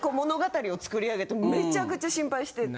めちゃくちゃ心配してて。